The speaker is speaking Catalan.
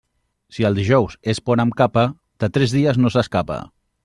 Si el dijous es pon amb capa, de tres dies no s'escapa.